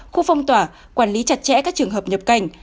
khu phong tỏa quản lý chặt chẽ các trường hợp nhập cảnh